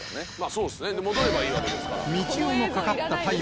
そうですね戻ればいいわけですから。